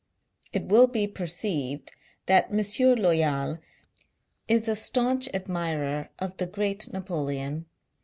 It will be per ceived that M. Loyal is a staunch admirer of the great Napoleon.